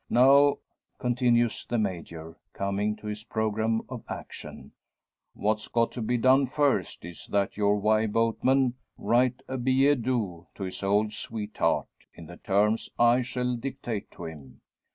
Now," continues the Major, coming to his programme of action, "what's got to be done first is that your Wye boatman write a billet doux to his old sweetheart in the terms I shall dictate to him.